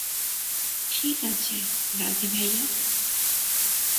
ঠিক আছে, রাধে ভাইয়া।